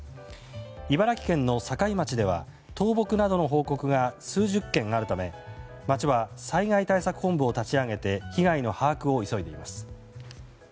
茨城県の境町では倒木などの報告が数十件あるため町は、災害対策本部を立ち上げて被害の把握を急いでいます。